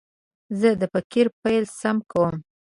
زه د فقرې پیل سم کوم.